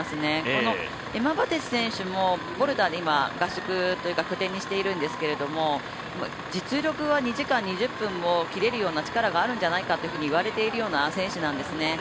このエマ・バテス選手もボルダーで合宿拠点にしているんですけども実力は２時間２０分を切れるような力があるんじゃないかといわれているような選手なんですね。